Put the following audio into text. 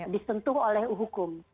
disentuh oleh hukum